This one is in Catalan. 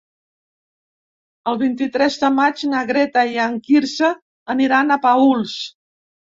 El vint-i-tres de maig na Greta i en Quirze aniran a Paüls.